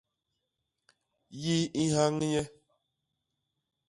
Yi i nhañ nye.